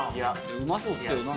うまそうですけど。